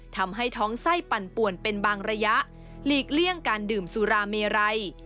ทำให้ท้องไส้ปั่นป่วนเป็นบางระยะหลีกเลี่ยงการดื่มสุราเมไร